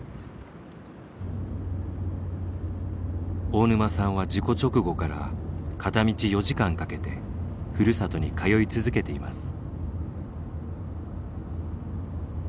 大沼さんは事故直後から片道４時間かけてふるさとに通い続けています。